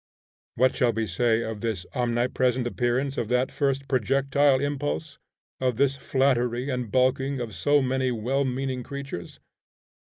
What shall we say of this omnipresent appearance of that first projectile impulse, of this flattery and balking of so many well meaning creatures?